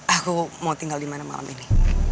aku mau tinggal di mana malam ini